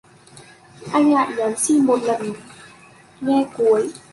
Anh lại nhắn xin một lần nghe cuối